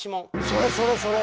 それそれそれ！